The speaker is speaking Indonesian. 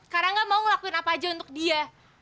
karangga mau ngelakuin apa aja untuk dia